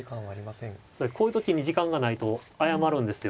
こういう時に時間がないと誤るんですよ。